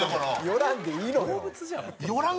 寄らんでいいのよ。